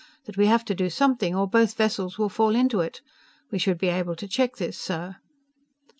That we have to do something or both vessels will fall into it. We should be able to check this, sir."